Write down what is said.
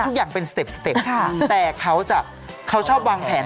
ทุกอย่างเป็นสเต็ปแต่เขาจะเขาชอบวางแผน